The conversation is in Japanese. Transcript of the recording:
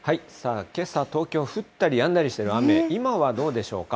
けさ、東京、降ったりやんだりしている雨、今はどうでしょうか？